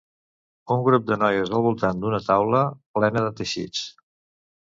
Un grup de noies al voltant d'una taula plena de teixits.